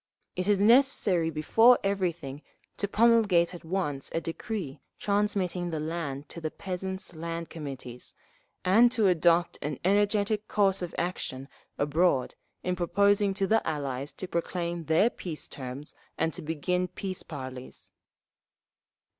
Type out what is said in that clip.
It is necessary before everything to promulgate at once a decree transmitting the land to the peasants' Land Committees, and to adopt an energetic course of action abroad in proposing to the Allies to proclaim their peace terms and to begin peace parleys; 3.